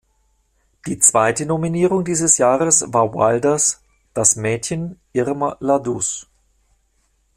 Die zweite Nominierung dieses Jahres war Wilders "Das Mädchen Irma la Douce".